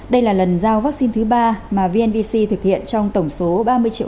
đây là lần giao vaccine thứ ba mà vnvc thực hiện trong tổng số ba mươi triệu liều